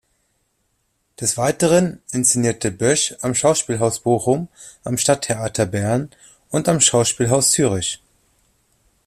Des Weiteren inszenierte Bösch am Schauspielhaus Bochum, am Stadttheater Bern und am Schauspielhaus Zürich.